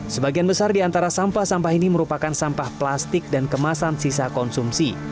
sebagian besar di antara sampah sampah ini merupakan sampah plastik dan kemasan sisa konsumsi